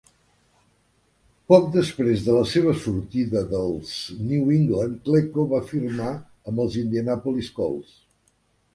Poc després de la seva sortida dels New England, Klecko va firmar amb els Indianapolis Colts.